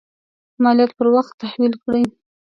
مالیات پر وخت تحویل کړي.